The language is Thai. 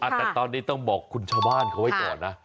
แต่ตอนนี้ต้องบอกคุณชาวบ้านเขาไว้ก่อนนะ